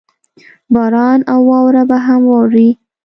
باران او واوره به هم راووري.